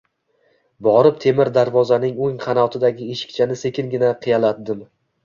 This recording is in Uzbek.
Borib, temir darvozaning o‘ng qanotidagi eshikchani sekingina qiyalatdim